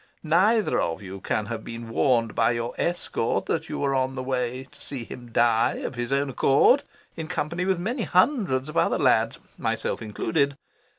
Neither of you can have been warned by your escort that you were on the way to see him die, of his own accord, in company with many hundreds of other lads, myself included.